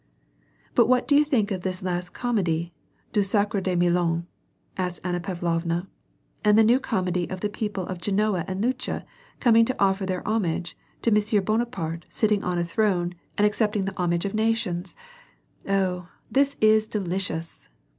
" But what do you think of all this last comedy du sacre de Milan ?" asked Anna Pavlovna, " and the new comedy of the people of Genoa and Lucca coming to offer their homage to Monsieur Bonaparte sitting on a throne and accepting the VOL 1. — 2. 18 WAR AND PEACE. homage of nations. Oh, this is delicious